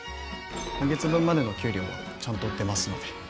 今月分までの給料はちゃんと出ますので。